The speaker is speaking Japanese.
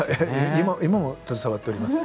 今も携わっております。